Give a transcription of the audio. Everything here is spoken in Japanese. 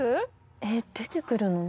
・えっ出てくるの？